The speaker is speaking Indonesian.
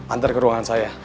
antar ke ruangan saya